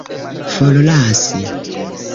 forlasi